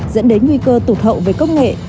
dẫn đến nguy cơ tụt hậu về công nghệ